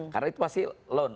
karena itu pasti loan